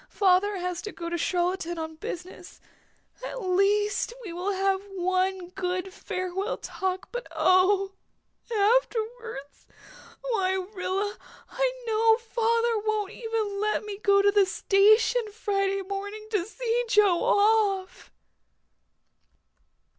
Father has to go to Charlottetown on business. At least we will have one good farewell talk. But oh afterwards why, Rilla, I know father won't even let me go to the station Friday morning to see Joe off."